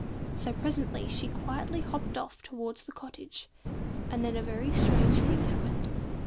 So presently she quietly hopped off towards the cottage, and then a very strange thing happened.